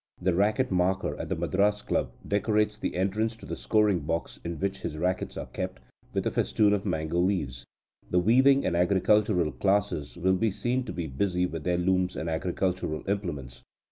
The racket marker at the Madras Club decorates the entrance to the scoring box in which his rackets are kept, with a festoon of mango leaves. The weaving and agricultural classes will be seen to be busy with their looms and agricultural implements.